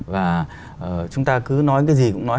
và chúng ta cứ nói cái gì cũng nói